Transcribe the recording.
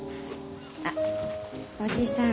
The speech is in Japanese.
あっおじさん。